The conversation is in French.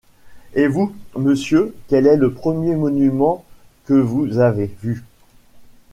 Et vous, monsieur, quel est le premier monument que vous avez vu?